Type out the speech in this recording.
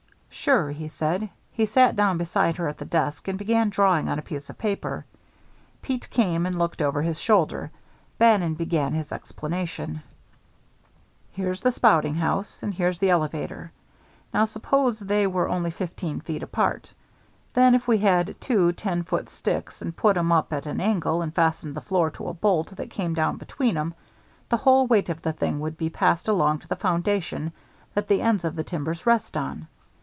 "Sure," he said. He sat down beside her at the desk and began drawing on a piece of paper. Pete came and looked over his shoulder. Bannon began his explanation. [Illustration: "HERE'S THE SPOUTING HOUSE"] "Here's the spouting house, and here's the elevator. Now, suppose they were only fifteen feet apart. Then if we had two ten foot sticks and put 'em up at an angle and fastened the floor to a bolt that came down between 'em, the whole weight of the thing would be passed along to the foundation that the ends of the timbers rest on.